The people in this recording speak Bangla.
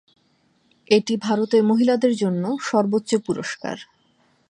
এটি ভারতের মহিলাদের জন্য সর্বোচ্চ পুরস্কার।